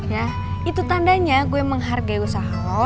ya itu tandanya gue menghargai usaha lo